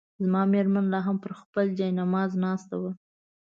زما مېرمنه لا هم پر خپل جاینماز ناسته وه.